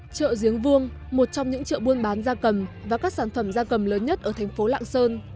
chợ giếng vuông một trong những chợ buôn bán da cầm và các sản phẩm da cầm lớn nhất ở thành phố lạng sơn